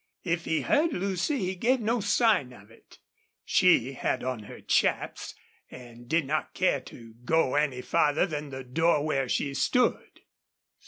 If he heard Lucy he gave no sign of it. She had on her chaps and did not care to go any farther than the door where she stood.